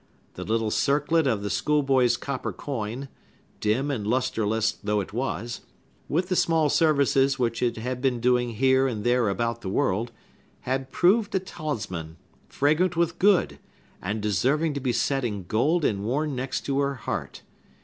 The little circlet of the schoolboy's copper coin—dim and lustreless though it was, with the small services which it had been doing here and there about the world—had proved a talisman, fragrant with good, and deserving to be set in gold and worn next her heart.